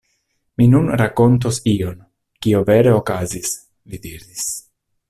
Mi nun rakontos ion, kio vere okazis, li diris.